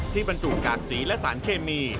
บรรจุกากสีและสารเคมี